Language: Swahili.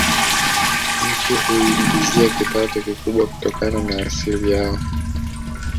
Nchi huiingizia kipato kikubwa kutokana na asili yao